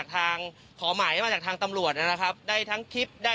ลองไปฟังเสียงวันยากาศช่วงนี้กันค่ะ